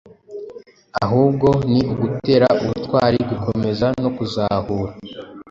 ahubwo ni ugutera ubutwari, gukomeza no kuzahura.